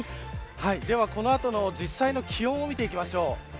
では、この後の実際の気温を見ていきましょう。